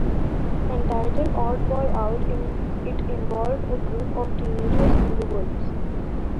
Entitled "Odd Boy Out," it involved a group of teenagers in the woods.